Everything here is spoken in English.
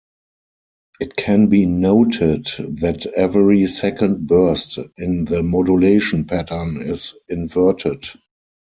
It can be noted that every second burst in the modulation pattern is inverted.